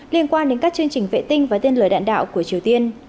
liên quan đến các chương trình vệ tinh và tên lời đạn đạo của triều tiên